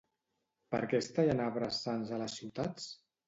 Per qué es tallen arbres sans a les ciutats?